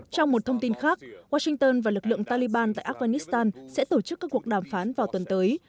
trong một thông tin khác washington và lực lượng taliban tại afghanistan sẽ tổ chức các cuộc đàm phán vào tuần tới